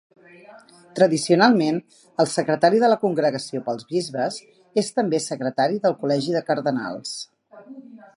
Tradicionalment, el secretari de la Congregació pels Bisbes és també secretari del Col·legi de Cardenals.